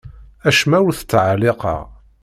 Acemma ur t-ttɛelliqeɣ.